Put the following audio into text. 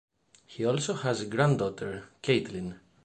He also has one granddaughter, Kaitlin.